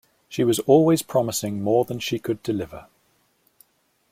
She was always promising more than she could deliver.